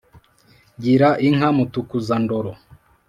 Gira inka Mutukuza-ndoro